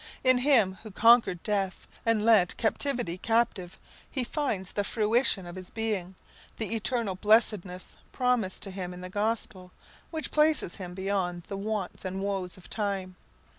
In Him who conquered death, and led captivity captive, he finds the fruition of his being, the eternal blessedness promised to him in the Gospel, which places him beyond the wants and woes of time.